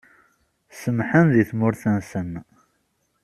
Semḥen di tmurt-nsen.